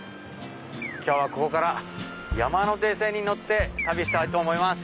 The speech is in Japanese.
今日はここから山手線に乗って旅したいと思います。